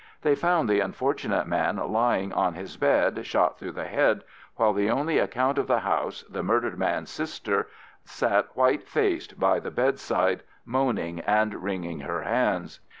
They found the unfortunate man lying on his bed shot through the head, while the only occupant of the house, the murdered man's sister, sat white faced by the bedside moaning and wringing her hands.